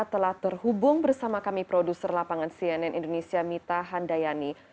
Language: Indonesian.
telah terhubung bersama kami produser lapangan cnn indonesia mita handayani